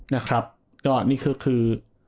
นะครับก็นี่ก็คือ